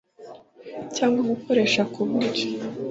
cyangwa gukoresha ku buryo